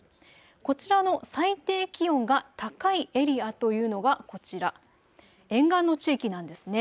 こちらの最低気温が高いエリアというのはこちら、沿岸の地域なんですね。